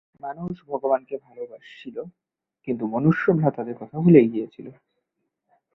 মানুষ ভগবানকে ভালবাসছিল, কিন্তু মনুষ্য-ভ্রাতাদের কথা ভুলেই গিয়েছিল।